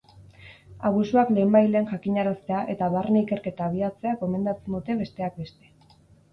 Abusuak lehenbailehen jakinaraztea eta barne ikerketa abiatzea gomendatzen dute, besteak beste.